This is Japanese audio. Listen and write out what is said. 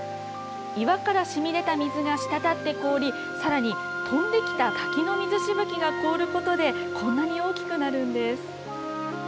岩からしみ出た水がしたたって氷、さらに飛んできた滝の水しぶきが凍ることで、こんなに大きくなるんです。